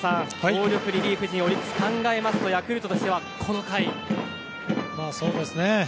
強力リリーフ陣のオリックスを考えますとヤクルトとしては、この回。